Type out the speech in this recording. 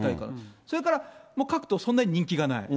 それから各党そんなに人気がない。